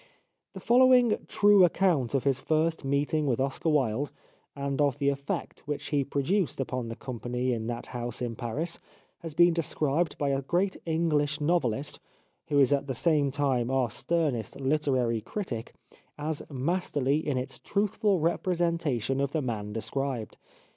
The following true account of his first meeting with Oscar Wilde, and of the effect which he produced upon the company in that house in Paris has been described by a 288 The Life of Oscar Wilde great English novelist, who is at the same time our sternest literary critic, as masterly in its truthful representation of the man described.